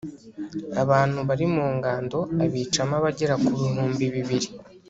abantu bari mu ngando abicamo abagera ku bihumbi bibiri